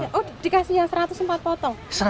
oh dikasih yang satu ratus empat potong